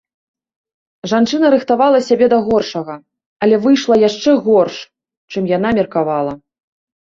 Жанчына рыхтавала сябе да горшага, але выйшла яшчэ горш, чым яна меркавала.